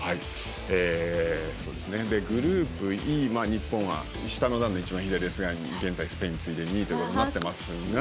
日本は下の段のいちばん左ですが現在、スペインに次いで２位となっていますが。